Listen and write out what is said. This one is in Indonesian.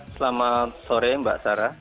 selamat sore mbak sarah